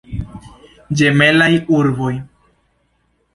Ĝemelaj urboj.